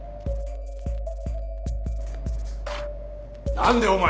何でお前。